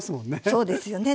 そうですよね。